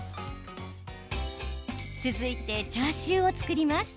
続いてチャーシューを作ります。